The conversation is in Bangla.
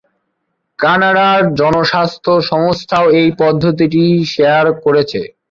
কানাডার জনস্বাস্থ্য সংস্থাও এই পদ্ধতিটি শেয়ার করেছে।